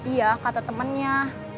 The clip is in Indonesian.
iya kata temannya